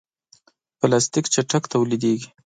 پلاستيک چټک تولیدېږي.